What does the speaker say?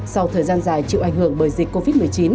sau thời gian dài chịu ảnh hưởng bởi dịch covid một mươi chín